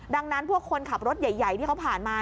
ดังนั้นพวกคนขับรถใหญ่ที่เขาผ่านมา